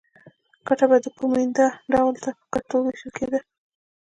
ګټه به د کومېندا ډول ته په کتو وېشل کېده